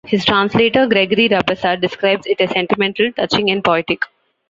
His translator, Gregory Rabassa, describes it as "sentimental, 'touching' and poetic".